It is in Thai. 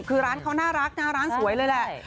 คือร้านเขาน่ารักนะร้านสวยเลยแหละ